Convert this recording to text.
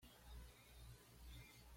Entra y en su desesperación pide comida.